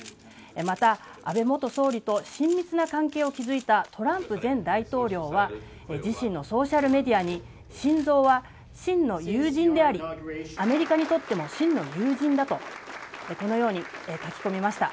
また、安倍元総理と親密な関係を築いたトランプ前大統領は自身のソーシャルメディアにシンゾウは真の友人でありアメリカにとっても真の友人だとこのように書き込みました。